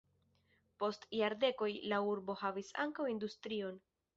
Post jardekoj la urbo havis ankaŭ industrion.